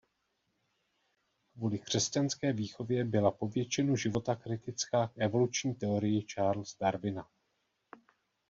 Kvůli křesťanské výchově byla po většinu života kritická k evoluční teorii Charles Darwina.